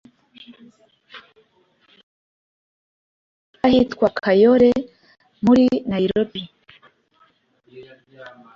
akajagari k'ahitwa kayole muri nairobi,